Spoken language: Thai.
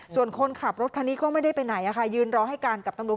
ส่วนคนขับรถคันนี้ก็ไม่ได้ไปไหนยืนรอให้การกับตำรวจ